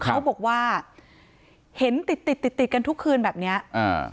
เขาบอกว่าเห็นติดติดติดติดติดกันทุกคืนแบบเนี้ยอ่า